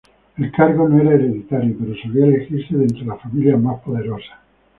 El cargo no era hereditario, pero solía elegirse de entre las familias más poderosas.